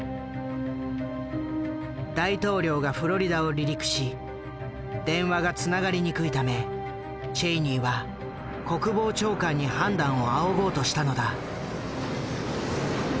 大統領がフロリダを離陸し電話がつながりにくいためチェイニーは国防長官に判断を仰ごうとしたのだ。